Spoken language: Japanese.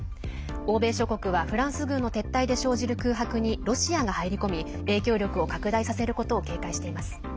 欧米諸国はフランス軍の撤退で生じる空白にロシアが入り込み影響力を拡大させることを警戒しています。